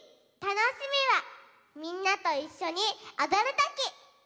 たのしみはみんなといっしょにおどるとき！